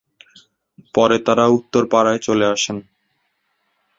পরে তারা উত্তরপাড়ায় চলে আসেন।